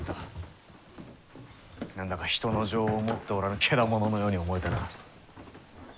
何だか人の情を持っておらぬケダモノのように思えてな。